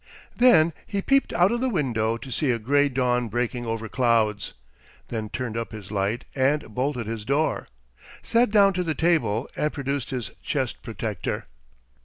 Then he peeped out of the window to see a grey dawn breaking over clouds, then turned up his light and bolted his door, sat down to the table, and produced his chest protector.